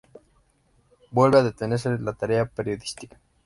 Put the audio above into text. Vuelve a detenerse la tarea periodística.